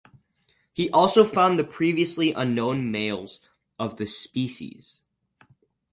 He also found the previously unknown males of the species.